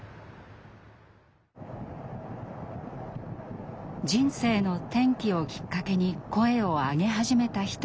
人生の転機をきっかけに声を上げ始めた人もいます。